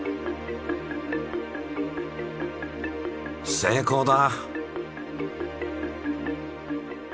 成功だ！